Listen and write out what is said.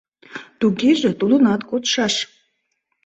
Тугеже, тудынат кодшаш.